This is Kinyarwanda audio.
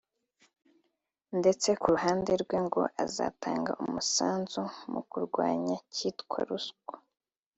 ndetse ku ruhande rwe ngo azatanga umusanzu mu kurwanya kitwa ruswa